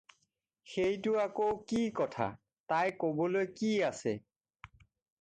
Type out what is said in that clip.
সেইটো আকৌ কি কথা! তাই ক'বলৈ কি আছে।